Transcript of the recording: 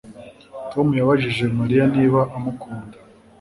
Tom yabajije Mariya niba amukunda